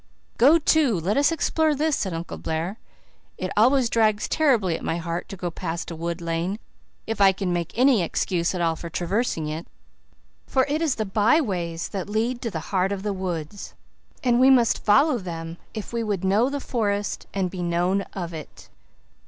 "Go to, let us explore this," said Uncle Blair. "It always drags terribly at my heart to go past a wood lane if I can make any excuse at all for traversing it: for it is the by ways that lead to the heart of the woods and we must follow them if we would know the forest and be known of it.